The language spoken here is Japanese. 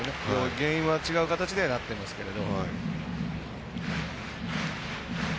原因は違う形にはなってますけど。